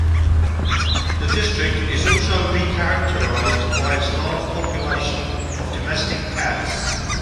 The district is also be characterised by its large population of domestic cats.